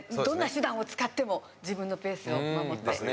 どんな手段を使っても自分のペースを守って。